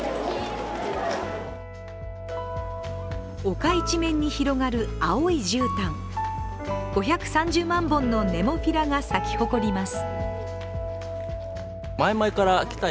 丘一面に広がる青いじゅうたん、５３０万本のネモフィラが咲き誇ります。